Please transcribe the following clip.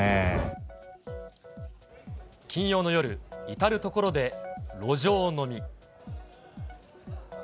金曜の夜、至る所で路上飲み。